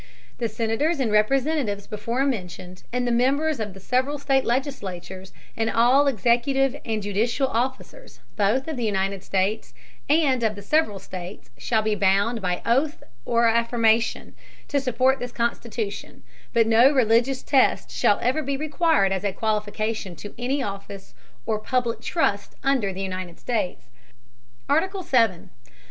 The Senators and Representatives before mentioned, and the Members of the several State Legislatures, and all executive and judicial Officers, both of the United States and of the several States, shall be bound by Oath or Affirmation, to support this Constitution; but no religious Test shall ever be required as a Qualification to any Office or public Trust under the United States. ARTICLE. VII.